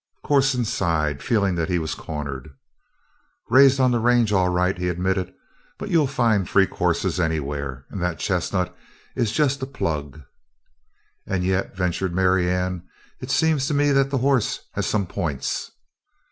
Corson sighed, feeling that he was cornered. "Raised on the range, all right," he admitted. "But you'll find freak hosses anywhere. And that chestnut is just a plug." "And yet," ventured Marianne, "it seems to me that the horse has some points."